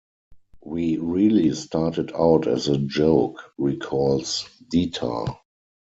"We really started out as a joke," recalls Detar.